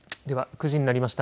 ９時になりました。